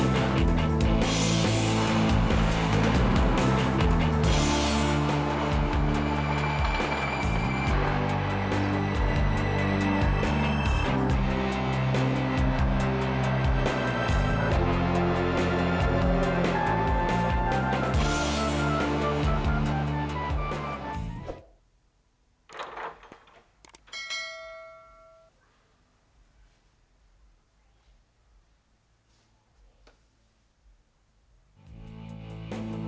tapi kapan kita menikah